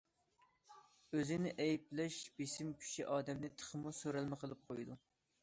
ئۆزىنى ئەيىبلەش بېسىم كۈچى ئادەمنى تېخىمۇ سۆرەلمە قىلىپ قويىدۇ.